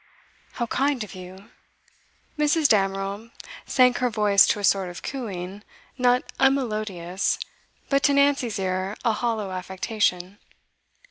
'How kind of you!' Mrs. Damerel sank her voice to a sort of cooing, not unmelodious, but to Nancy's ear a hollow affectation.